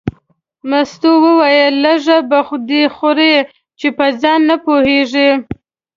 مستو وویل لږه به دې خوړه چې په ځان نه پوهېږې.